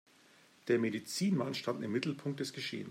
Der Medizinmann stand im Mittelpunkt des Geschehens.